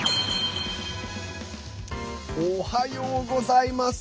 おはようございます。